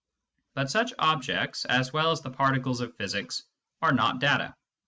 But such objects, as well as the particles of physics, are not data.